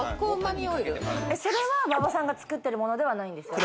それは馬場さんが作ってるものではないんですよね。